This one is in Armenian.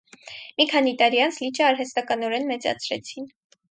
Մի քանի տարի անց, լիճը արհեստականորեն մեծացրեցին։